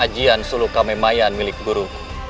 ajian sulu kame mayan milik guru